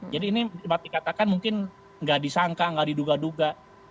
jadi ini dikatakan mungkin nggak disangka nggak diduga duga